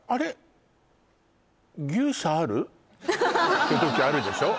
って時あるでしょ